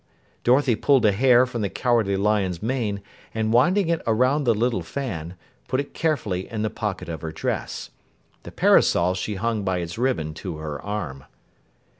Dorothy pulled a hair from the Cowardly Lion's mane, and winding it around the little fan, put it carefully in the pocket of her dress. The parasol she hung by its ribbon to her arm.